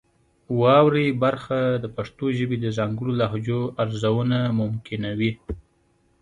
واورئ برخه د پښتو ژبې د ځانګړو لهجو ارزونه ممکنوي.